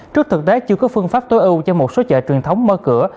trước thực tế chưa có phương pháp tối ưu cho một số chợ truyền thống mở cửa